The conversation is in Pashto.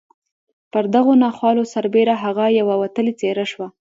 پر دغو ناخوالو سربېره هغه یوه وتلې څېره شوه